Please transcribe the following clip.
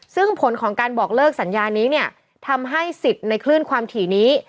ซึ่งผลของการบอกเลิกสัญญานี้เนี่ยทำให้สิทธิ์ในคลื่นความถี่นี้